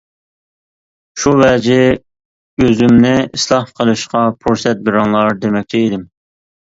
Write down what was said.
شۇ ۋەجى ئۆزۈمنى ئىسلاھ قىلىشقا پۇرسەت بېرىڭلار، دېمەكچى ئىدىم.